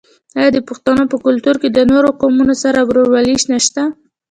آیا د پښتنو په کلتور کې د نورو قومونو سره ورورولي نشته؟